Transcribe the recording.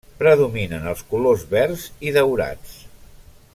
Predominen els colors verds i daurats.